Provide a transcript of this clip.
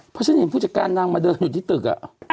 เพราะฉันเห็นผู้จัดการนางมาเดินอยู่ที่ตึก